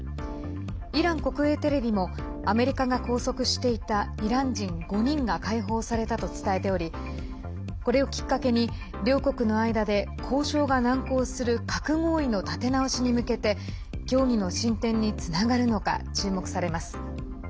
イラン国営テレビもアメリカが拘束していたイラン人５人が解放されたと伝えておりこれをきっかけに両国の間で交渉が難航する核合意の立て直しに向けて協議の進展につながるのか注目されます。